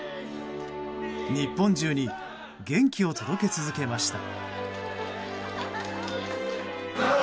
日本中に元気を届け続けました。